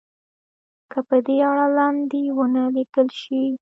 که په دې اړه لنډۍ ونه لیکل شي.